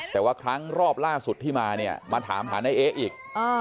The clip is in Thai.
แต่ว่าครั้งรอบล่าสุดที่มาเนี่ยมาถามหานายเอ๊ะอีก